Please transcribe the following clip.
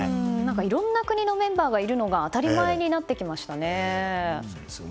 いろいろな国のメンバーがいるのが当たり前になってきましたね。